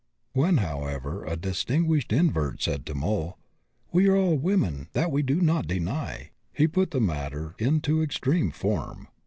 " When, however, a distinguished invert said to Moll: "We are all women; that we do not deny," he put the matter in too extreme a form.